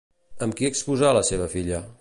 Amb qui esposar la seva filla?